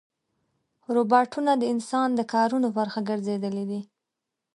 روباټونه د انسان د کارونو برخه ګرځېدلي دي.